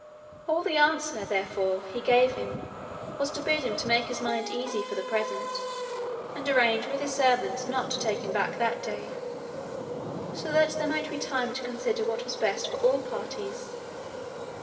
All the answer, therefore, he gave him was to bid him to make his mind easy for the present, and arrange with his servants not to take him back that day, so that there might be time to consider what was best for all parties.